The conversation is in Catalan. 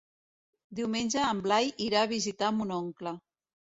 Diumenge en Blai irà a visitar mon oncle.